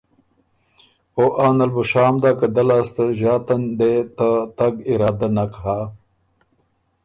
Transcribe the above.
او آنل بو شام داک که دۀ لاسته ݫاتن دې ته تګ ارادۀ نک هۀ۔